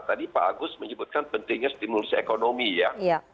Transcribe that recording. tadi pak agus menyebutkan pentingnya stimulus ekonomi ya